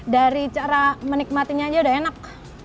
dari cara menikmatinya aja udah enak